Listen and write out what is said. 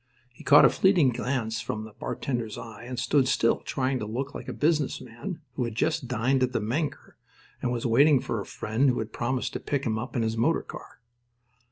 He caught a fleeting glance from the bartender's eye, and stood still, trying to look like a business man who had just dined at the Menger and was waiting for a friend who had promised to pick him up in his motor car.